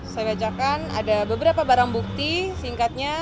saya bacakan ada beberapa barang bukti singkatnya